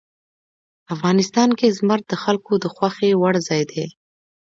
افغانستان کې زمرد د خلکو د خوښې وړ ځای دی.